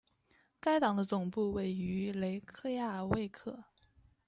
该党的总部位于雷克雅未克。